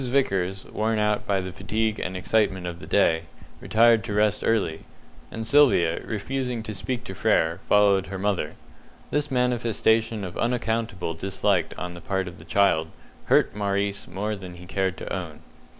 Vickers, worn out by the fatigue and excitement of the day, retired to rest early; and Sylvia, refusing to speak to Frere, followed her mother. This manifestation of unaccountable dislike on the part of the child hurt Maurice more than he cared to own.